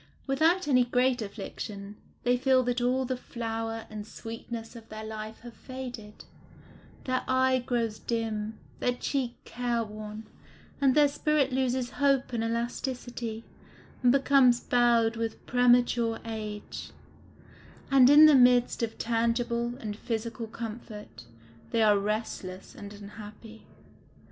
Without any great affliction, they feel that all the flower and sweetness of their life have faded; their eye grows dim, their cheek care worn, and their spirit loses hope and elasticity, and becomes bowed with premature age; and in the midst of tangible and physical comfort, they are restless and unhappy.